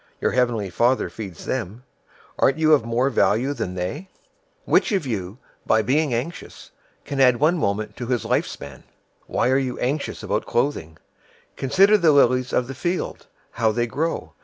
Your heavenly Father feeds them. Aren't you of much more value than they? 006:027 "Which of you, by being anxious, can add one moment{literally, cubit} to his lifespan? 006:028 Why are you anxious about clothing? Consider the lilies of the field, how they grow.